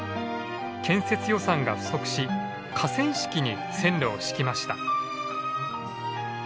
建設予算が不足し河川敷に線路を敷きました。